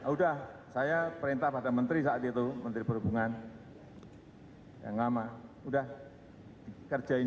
udah saya perintah pada menteri saat itu menteri perhubungan yang lama udah dikerjain